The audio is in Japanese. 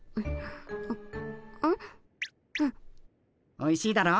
おいしいだろう？